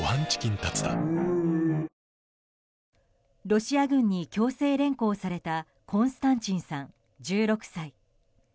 ロシア軍に強制連行されたコンスタンチンさん、１６歳。